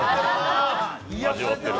味わってる。